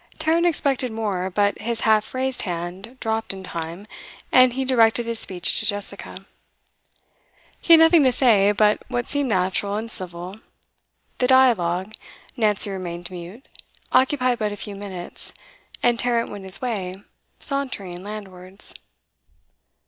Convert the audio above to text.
Tarrant expected more, but his half raised hand dropped in time, and he directed his speech to Jessica. He had nothing to say but what seemed natural and civil; the dialogue Nancy remained mute occupied but a few minutes, and Tarrant went his way, sauntering landwards.